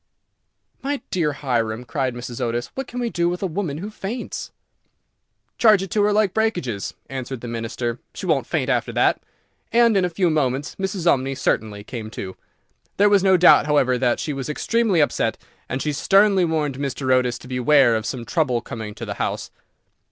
"My dear Hiram," cried Mrs. Otis, "what can we do with a woman who faints?" "Charge it to her like breakages," answered the Minister; "she won't faint after that;" and in a few moments Mrs. Umney certainly came to. There was no doubt, however, that she was extremely upset, and she sternly warned Mr. Otis to beware of some trouble coming to the house.